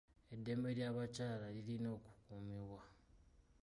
Eddembe ly'abakyala lirina okukuumibwa.